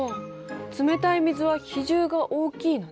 冷たい水は比重が大きいのね。